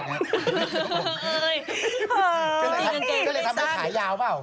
กางเกงไปได้สั้น